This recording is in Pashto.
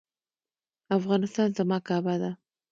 افغانستان زما کعبه ده؟